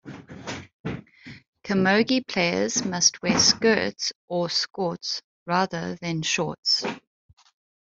Camogie players must wear skirts or skorts rather than shorts.